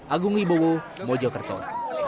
agung ibowo mojokertol